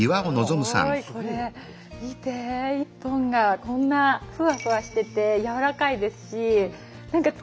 すごいこれ見て１本がこんなふわふわしてて柔らかいですし何か作りたくなるね。